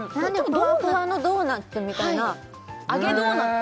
ふわふわのドーナツみたいな揚げドーナツ